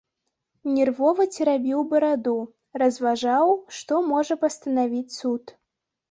Нервова церабіў бараду, разважаў, што можа пастанавіць суд.